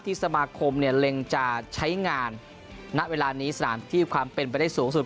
สมาคมเนี่ยเล็งจะใช้งานณเวลานี้สนามที่ความเป็นไปได้สูงสุด